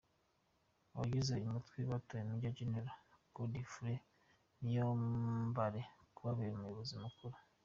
Abagize uyu mutwe batoye Major General Godfroid Niyombare kubabera umuyobozi mukuru.